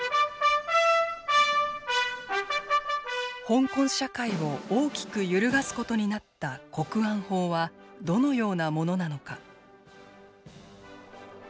香港社会を大きく揺るがすことになった国安法はどのようなものなのか。